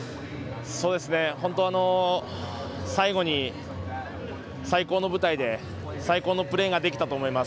本当、最後に最高の舞台で最高のプレーができたと思います。